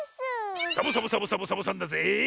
サボサボサボサボサボさんだぜえ！